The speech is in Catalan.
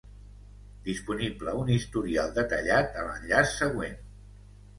Disponible un historial detallat a l'enllaç següent.